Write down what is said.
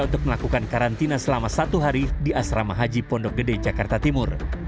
untuk melakukan karantina selama satu hari di asrama haji pondok gede jakarta timur